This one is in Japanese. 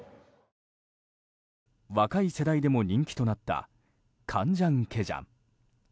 若い世代でも人気となったカンジャンケジャン。